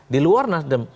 di luar nasdem